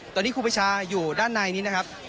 ตอนนี้ครูประชาอยู่ด้านในนี้นะครับ